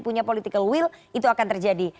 punya political will itu akan terjadi